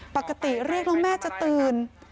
ปกติเรียกแล้วแม่จะตื่น